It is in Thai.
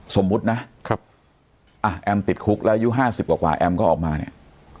สมมุตินะแอมติดคุกแล้วอายุ๕๐กว่าแอมก็ออกมาเนี่ย